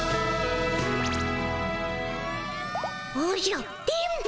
おじゃ電ボ。